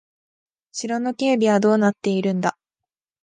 城の警備はどうなっているんだ。